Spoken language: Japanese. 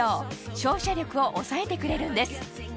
照射力を抑えてくれるんです